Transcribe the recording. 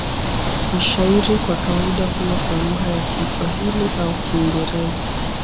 Mashairi kwa kawaida huwa kwa lugha ya Kiswahili au Kiingereza.